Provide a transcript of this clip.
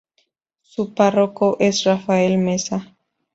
Su párroco es Rafael Mesa